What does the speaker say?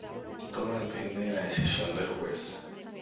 Todo depende de la decisión del juez.